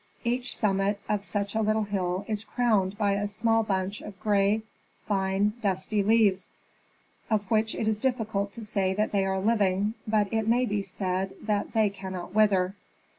Each summit of such a little hill is crowned by a small bunch of gray, fine, dusty leaves, of which it is difficult to say that they are living; but it may be said that they cannot wither.